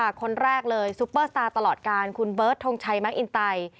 คนแรกเลยซุปเปอร์สตาร์ตลอดการคุณเบิร์ตทงชัยแมคอินไต